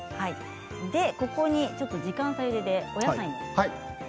ここに時間差でお野菜も。